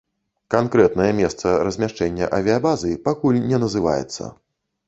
Канкрэтнае месца размяшчэння авіябазы пакуль не называецца.